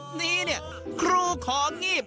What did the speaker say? ผายคลิปนี้เนี่ยครูของ่ีบ